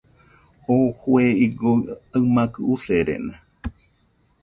Oo jue igoɨ aimakɨ userena.